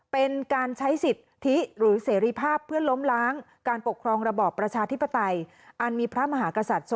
เป็นการใช้สิทธิหรือเสรีภาพเพื่อล้มล้างการปกครองระบอบประชาธิปไตยอันมีพระมหากษัตริย์